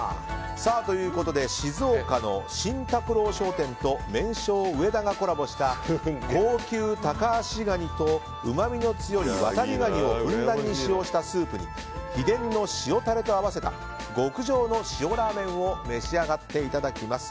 ということで静岡の真卓朗商店と麺匠うえ田がコラボした高級タカアシガニとうまみの強いワタリガニをふんだんに使用したスープに秘伝の塩タレと合わせた極上の塩らぁ麺を召し上がっていただきます。